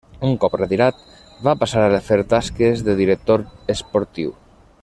Un cop retirat, va passar a fer tasques de director esportiu.